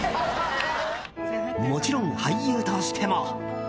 もちろん俳優としても。